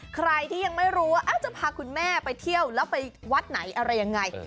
ใครที่ยังไม่รู้ว่าจะพาคุณแม่ไปเที่ยวแล้วไปวัดไหนอะไรยังไง